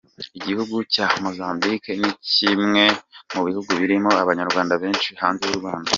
Igihugu cya Mozambique ni kimwe mu bihugu birimo abanyarwanda benshi hanze y’u Rwanda.